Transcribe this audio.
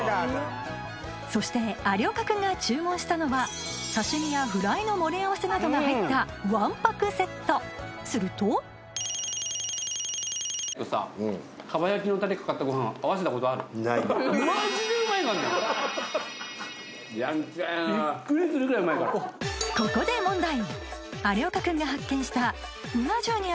そして有岡君が注文したのは刺し身やフライの盛り合わせなどが入ったするとここで問題！